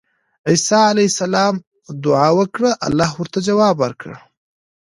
عيسی عليه السلام دعاء وکړه، الله ورته ځواب ورکړ